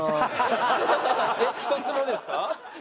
一つもですか？